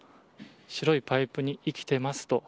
白いパイプに生きてますと。